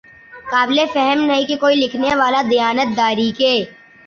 قابل فہم نہیں کہ کوئی لکھنے والا دیانت داری کے